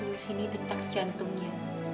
di sini detak jantungnya